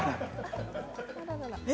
え！